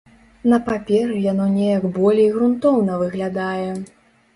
На паперы яно неяк болей грунтоўна выглядае.